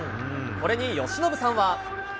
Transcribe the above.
これに由伸さんは。